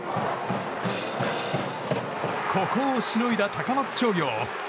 ここをしのいだ高松商業。